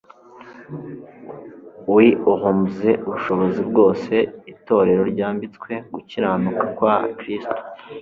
we uhmze ubushobozi bwose. Itorero ryambitswe gukiranuka kwa Kristo,